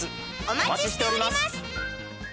お待ちしております！